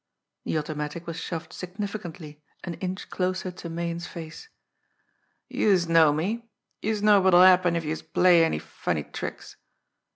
The automatic was shoved significantly an inch closer to Meighan's face. "Youse know me! Youse know what'll happen if youse play any funny tricks!